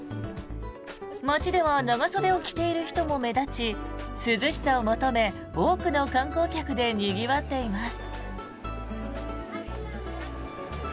町では長袖を着ている人も目立ち涼しさを求め多くの観光客でにぎわっています。